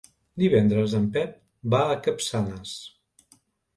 Divendres en Pep va a Capçanes.